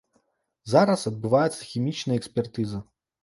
Зараз адбываецца хімічная экспертыза.